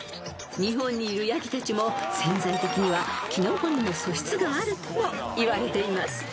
［日本にいるヤギたちも潜在的には木登りの素質があるともいわれています］